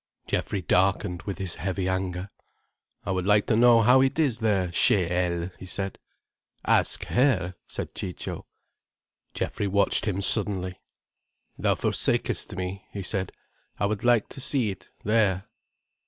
Geoffrey darkened with his heavy anger. "I would like to see how it is, there, chez elle," he said. "Ask her," said Ciccio. Geoffrey watched him suddenly. "Thou forsakest me," he said. "I would like to see it, there."